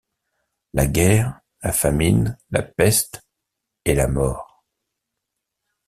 La Guerre, la Famine, la Peste... et la Mort...